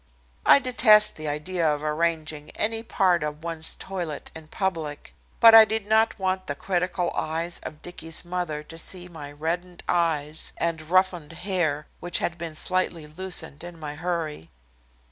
I detest the idea of arranging any part of one's toilet in public, but I did not want the critical eyes of Dicky's mother to see my reddened eyes, and roughened hair, which had been slightly loosened in my hurry.